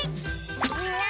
みんな！